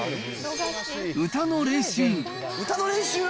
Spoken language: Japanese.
歌の練習。